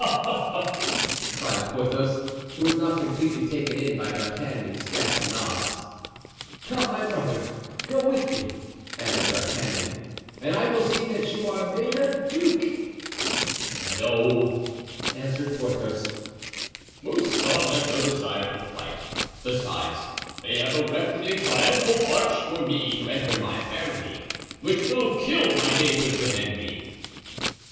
ha!" cried Porthos, who was not completely taken in by D'Artagnan's Gasconades. "Come my brother, go with me," added D'Artagnan, "and I will see that you are made a duke!" "No," answered Porthos, "Mouston has no desire to fight; besides, they have erected a triumphal arch for me to enter my barony, which will kill my neighbors with envy."